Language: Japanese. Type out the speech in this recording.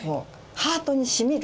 「ハートにしみる」。